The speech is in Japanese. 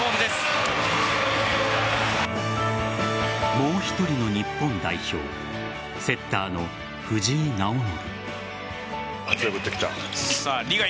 もう１人の日本代表セッターの藤井直伸。